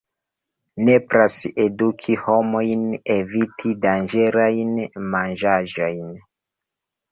Nepras eduki homojn eviti danĝerajn manĝaĵojn.